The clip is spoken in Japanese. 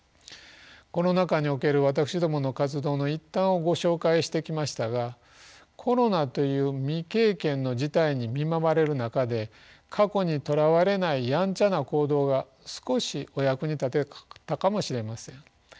コロナ禍における私どもの活動の一端をご紹介してきましたがコロナという未経験の事態に見舞われる中で過去にとらわれない「やんちゃ」な行動が少しお役に立てたかもしれません。